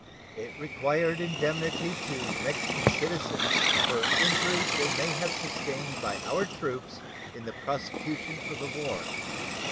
It required indemnity to Mexican citizens for injuries they may have sustained by our troops in the prosecution of the war.